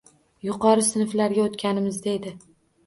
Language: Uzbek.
Yuqori sinflarga oʻtganimizda edi.